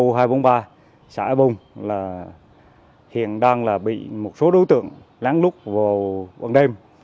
ủy ban nhân dân xã ea bung hiện đang bị một số đối tượng lán lút vào quần đêm